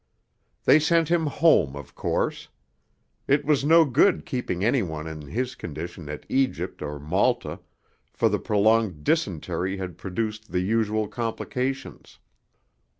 They sent him home, of course. It was no good keeping any one in his condition at Egypt or Malta, for the prolonged dysentery had produced the usual complications.